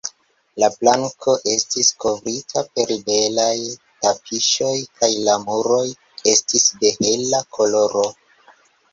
La planko estis kovrita per belaj tapiŝoj, kaj la muroj estis de hela koloro.